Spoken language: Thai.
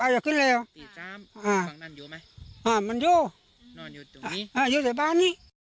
ยกให้บ้าน